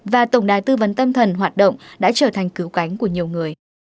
và tổng đài tư vấn tâm thần hoạt động đã trở thành cứu cánh của nhiều người